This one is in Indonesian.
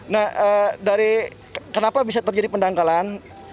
nah dari kenapa bisa terjadi pendangkalan